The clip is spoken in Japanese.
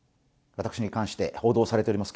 私に関して報道されています